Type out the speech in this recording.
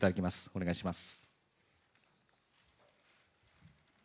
お願いします。